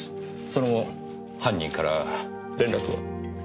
その後犯人から連絡は？